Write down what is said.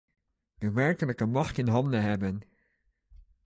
De werkelijke macht in handen hebben.